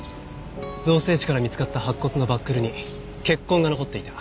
造成地から見つかった白骨のバックルに血痕が残っていた。